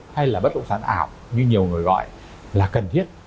hay là bất động sản ảo như nhiều người gọi là cần thiết